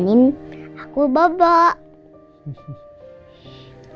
ini ilang suami kamu